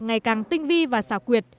ngày càng tinh vi và xảo quyệt